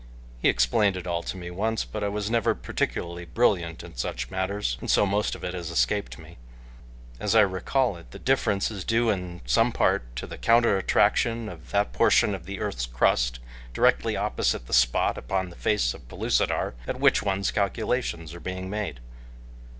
He explained it all to me once, but I was never particularly brilliant in such matters and so most of it has escaped me. As I recall it the difference is due in some part to the counter attraction of that portion of the earth's crust directly opposite the spot upon the face of Pellucidar at which one's calculations are being made.